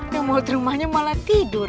yang mau dirumahnya malah tidur